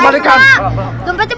bawa ke kantor polisi pak